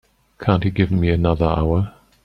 Can't you give me another hour?